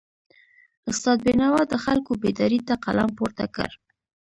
استاد بینوا د خلکو بیداری ته قلم پورته کړ.